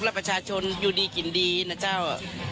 แล้วประชาชนอยู่ดีกินดีนะเจ้า